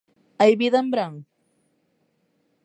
Hai vida en Bran?